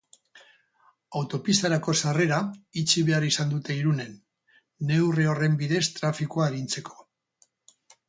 Autopistarako sarrera itxi behar izan dute Irunen, neurri horren bidez trafikoa arintzeko.